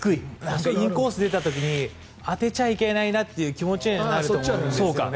インコース出た時に当てちゃいけないなという気持ちが出ると思いますね。